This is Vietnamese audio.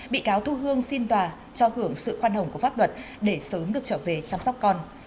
bị cáo thu hương xin tòa cho hưởng sự khoan hồng của pháp luật để sớm được trở về chăm sóc con